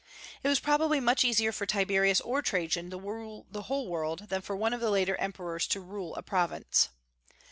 It was probably much easier for Tiberius or Trajan to rule the whole world than for one of the later emperors to rule a province.